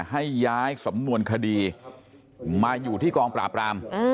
ให้ย้ายสำนวนคดีมาอยู่ที่กองปราบราม